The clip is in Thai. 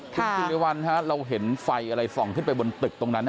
คุณสิริวัลเราเห็นไฟอะไรส่องขึ้นไปบนตึกตรงนั้น